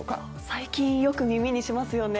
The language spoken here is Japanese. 最近よく耳にしますよね。